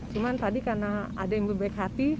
cuma tadi karena ada yang berbaik hati